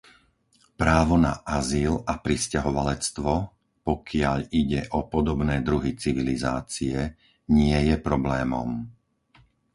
Právo na azyl a prisťahovalectvo, pokiaľ ide o podobné druhy civilizácie, nie je problémom.